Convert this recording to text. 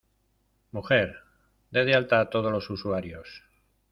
¡Mujer, de de alta a todos los usuarios!